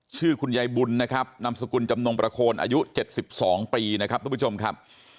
ชื่อคุณยายบุญนะครับนามสกุลจำนงประโคนอายุ๗๒ปีนะครับทุกผู้ชมครับ